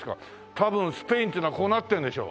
多分スペインっていうのはこうなってんでしょ？